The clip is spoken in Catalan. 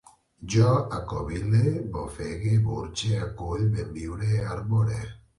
Jo acovile, bofegue, burxe, acull, benviure, arbore